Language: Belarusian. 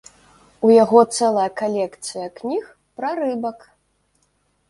У яго цэлая калекцыя кніг пра рыбак.